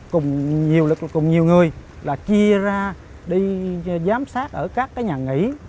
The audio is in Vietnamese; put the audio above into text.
cùng nhiều lực cùng nhiều người là chia ra đi giám sát ở các nhà nghỉ